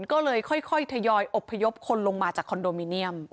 ก็เลยค่อยทยอยอบพยพคนลงมาจากคอนโดมิเนียม